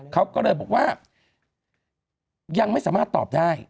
เขาก็เลยบอกว่ายังไม่สามารถตอบได้